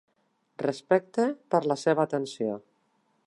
Respecte per la seva atenció.